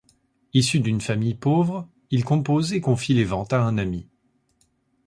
Issu d'une famille pauvre, il compose et confie les ventes à un ami.